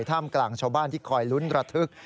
ท่ามกลางชาวบ้านที่คอยลุ้นระทึก